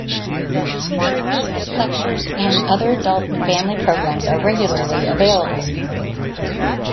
Tours, lectures, and other adult and family programs are regularly available.